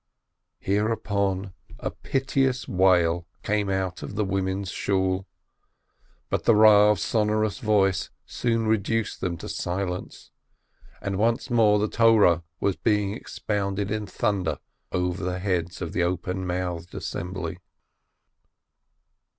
Hereupon a piteous wail came from out of the women's Shool, but the Rav's sonorous voice soon reduced them to silence, and once more the Torah was being ex pounded in thunder over the heads of the open mouthed assembly.